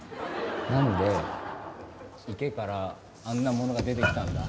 なんで池からあんなものが出てきたんだ？